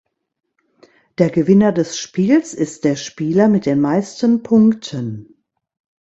Der Gewinner des Spiels ist der Spieler mit den meisten Punkten.